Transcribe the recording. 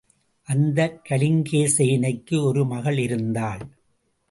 அந்தக் கலிங்கசேனைக்கு ஒரு மகள் இருந்தாள்.